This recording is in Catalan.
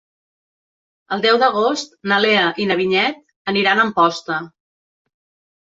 El deu d'agost na Lea i na Vinyet aniran a Amposta.